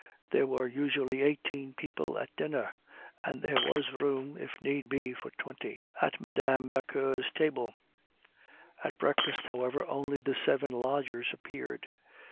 There were usually eighteen people at dinner, and there was room, if need be, for twenty at Mme. Vauquer's table; at breakfast, however, only the seven lodgers appeared.